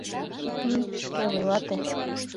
Мий, шке вуйлате.